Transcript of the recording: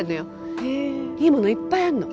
いいものいっぱいあるの。